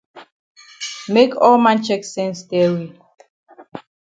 Make all man chek sense tell we.